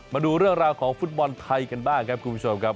มาดูเรื่องราวของฟุตบอลไทยกันบ้างครับคุณผู้ชมครับ